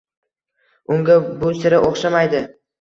Unga bu sira o‘xshamaydi.